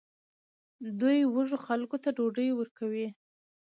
دوی وږو خلکو ته ډوډۍ ورکوي.